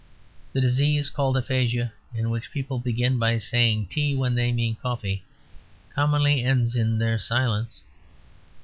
The disease called aphasia, in which people begin by saying tea when they mean coffee, commonly ends in their silence.